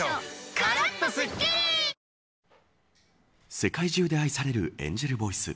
世界中で愛されるエンジェルボイス。